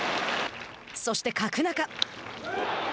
そして角中。